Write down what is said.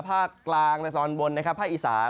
ภาคกลางภาคอีสาน